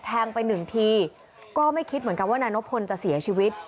แทงไปหนึ่งทีก็ไม่คิดเหมือนกันว่านายนพลจะเสียชีวิต